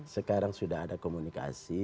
sekarang sudah ada komunikasi